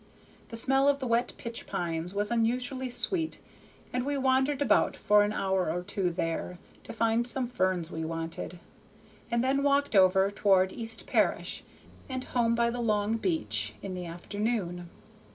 The smell of the wet pitch pines was unusually sweet, and we wandered about for an hour or two there, to find some ferns we wanted, and then walked over toward East Parish, and home by the long beach late in the afternoon.